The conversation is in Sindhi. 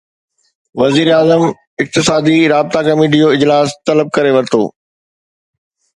وزيراعظم اقتصادي رابطا ڪميٽي جو اجلاس طلب ڪري ورتو